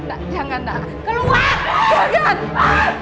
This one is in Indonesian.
eh enggak nak enggak enggak enggak jangan nak